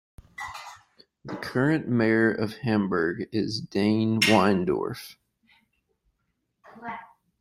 The current mayor of Hamburg is Dane Weindorf.